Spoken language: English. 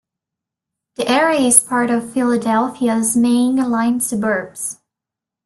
The area is part of Philadelphia's Main Line suburbs.